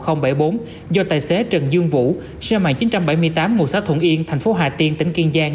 h một nghìn bảy mươi bốn do tài xế trần dương vũ xe mạng chín trăm bảy mươi tám ngôi xá thuận yên thành phố hà tiên tỉnh kiên giang